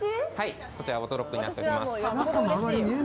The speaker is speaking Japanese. こちらオートロックになっています。